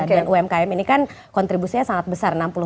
dan umkm ini kan kontribusinya sangat besar